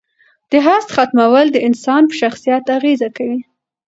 د حسد ختمول د انسان په شخصیت اغیزه کوي.